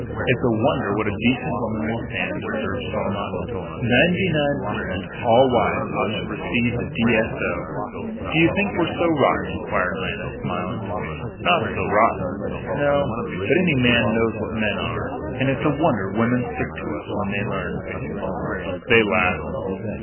"It's a wonder what a decent woman will stand," observed Stormont. "Ninety nine per cent. of all wives ought to receive the D. S. O." "Do you think we're so rotten?" inquired Lannis, smiling. "Not so rotten. No. But any man knows what men are. And it's a wonder women stick to us when they learn." They laughed.